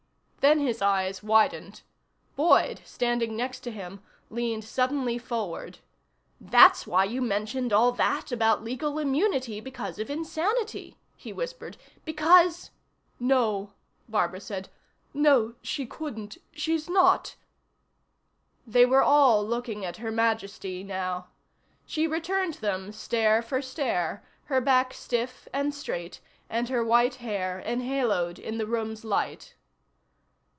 Then his eyes widened. Boyd, standing next to him, leaned suddenly forward. "That's why you mentioned all that about legal immunity because of insanity," he whispered. "Because " "No," Barbara said. "No. She couldn't she's not " They were all looking at Her Majesty, now. She returned them stare for stare, her back stiff and straight and her white hair enhaloed in the room's light.